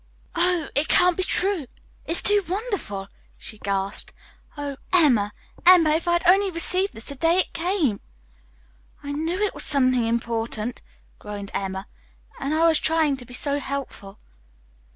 "Oh, it can't be true! It's too wonderful!" she gasped. "Oh, Emma, Emma, if I had only received this the day it came!" "I knew it was something important," groaned Emma. "And I was trying to be so helpful."